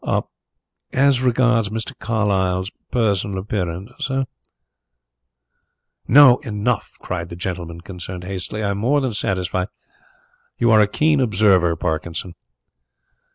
"As regards Mr. Carlyle's personal appearance, sir " "No, enough!" cried the gentleman concerned hastily. "I am more than satisfied. You are a keen observer, Parkinson."